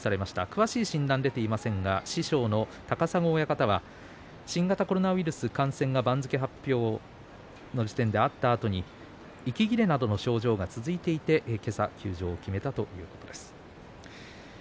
詳しい診断は出ていませんが師匠の高砂親方は新型コロナウイルスの感染が番付発表のあとにあったあとに息切れなどの症状が続いていてけさ休場を決めたということです。